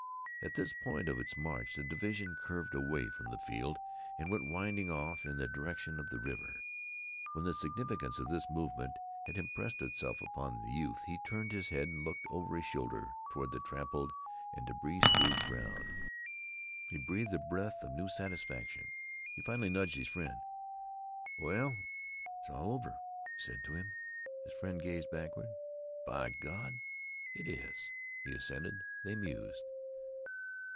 At this point of its march the division curved away from the field and went winding off in the direction of the river. When the significance of this movement had impressed itself upon the youth he turned his head and looked over his shoulder toward the trampled and débris strewed ground. He breathed a breath of new satisfaction. He finally nudged his friend. "Well, it's all over," he said to him. His friend gazed backward. "B'Gawd, it is," he assented. They mused.